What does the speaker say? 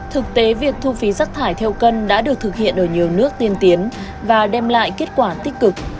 thực tế việc thu phí rác thải theo cân đã được thực hiện ở nhiều nước tiên tiến và đem lại kết quả tích cực